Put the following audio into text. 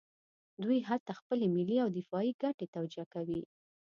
دوی هلته خپلې ملي او دفاعي ګټې توجیه کوي.